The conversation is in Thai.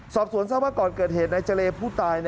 สอบสวนทราบว่าก่อนเกิดเหตุในเจรผู้ตาย